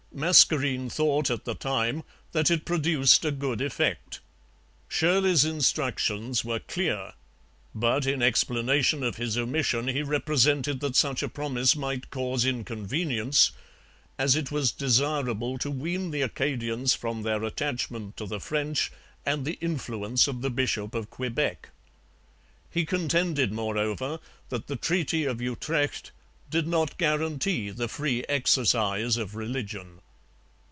Mascarene thought at the time that it produced a good effect. Shirley's instructions were clear; but in explanation of his omission he represented that such a promise might cause inconvenience, as it was desirable to wean the Acadians from their attachment to the French and the influence of the bishop of Quebec. He contended, moreover, that the Treaty of Utrecht did not guarantee the free exercise of religion.